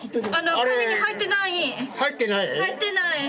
入ってない。